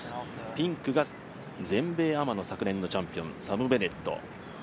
ピンクが全米アマの昨年のチャンピオン、サム・ベネット。